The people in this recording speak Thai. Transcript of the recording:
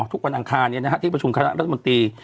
ทุกปันอังคารเนี่ยนะฮะที่ประชุมคณะรัฐมนตรี